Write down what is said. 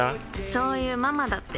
そういうママだって。